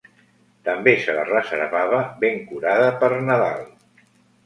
També se la reservava, ben curada, per Nadal.